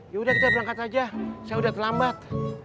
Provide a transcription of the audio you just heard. yaudah kita berangkat aja saya udah terlambat